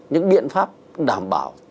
những biện pháp đảm bảo